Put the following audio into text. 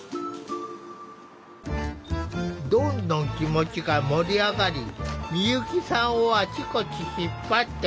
どんどん気持ちが盛り上がり美由紀さんをあちこち引っ張っていく。